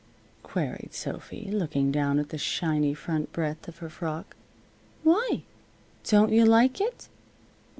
queried Sophy, looking down at the shiny front breadth of her frock. "Why? Don't you like it?"